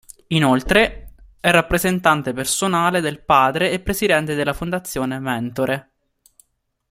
Inoltre, è rappresentante personale del padre e presidente della Fondazione Mentore.